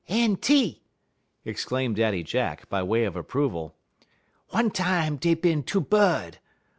"Enty!" exclaimed Daddy Jack, by way of approval. "One time dey bin two bud.